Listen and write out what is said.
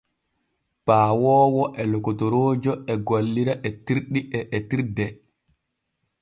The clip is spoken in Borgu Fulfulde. Paawoowo e lokotoroojo e gollira etirɗi e etirde.